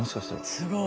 すごい。